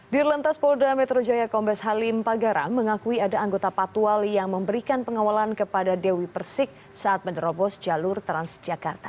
dirlantas polda metro jaya kombes halim pagarang mengakui ada anggota patwal yang memberikan pengawalan kepada dewi persik saat menerobos jalur transjakarta